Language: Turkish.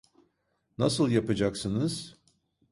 Nasıl yapacaksınız?